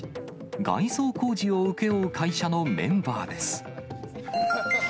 外装工事を請け負う会社のメンバーです。